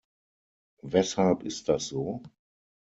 Weshalb ist das so?